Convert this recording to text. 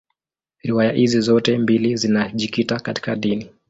Riwaya hizi zote mbili zinajikita katika dini.